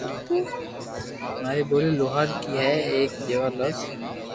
ماري ٻولي لوھارڪي ۾ ايڪ جيوا لفظ